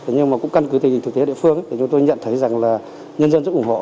nhưng mà cũng căn cứ tình hình thực tế địa phương thì chúng tôi nhận thấy rằng là nhân dân rất ủng hộ